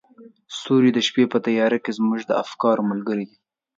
ستوري د شپې په تیاره کې زموږ د افکارو ملګري دي.